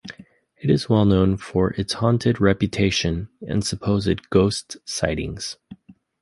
It is well known for its haunted reputation and supposed ghost sightings.